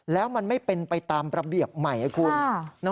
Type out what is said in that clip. แล้วมันไม่เป็นไปตามระเบียบใหม่คุณ